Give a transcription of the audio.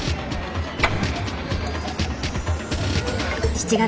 ７月。